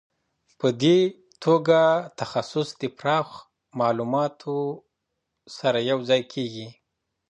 په دې توګه تخصص د پراخ معلوماتو سره یو ځای کیږي.